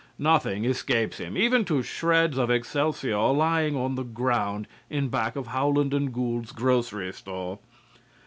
Nothing escapes him, even to shreds of excelsior lying on the ground in back of Howland & Gould's grocery store.